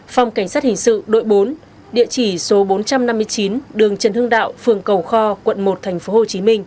phòng cảnh sát hình sự đội bốn địa chỉ số bốn trăm năm mươi chín đường trần hưng đạo phường cầu kho quận một tp hcm